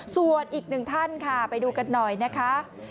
ส่วนอีกหนึ่งท่านค่ะไปดูกันหน่อยนะคะ